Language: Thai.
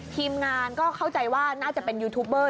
ทีมงานก็เข้าใจว่าน่าจะเป็นยูทูบเบอร์